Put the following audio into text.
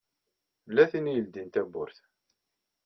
Tella tin i yeldin tawwurt.